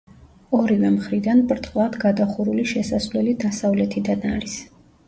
ორივე მხრიდან ბრტყლად გადახურული შესასვლელი დასავლეთიდან არის.